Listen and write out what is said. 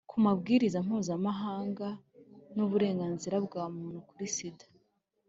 ku mabwiriza mpuzamahanga n’uburenganzira bwa muntu kuri sida.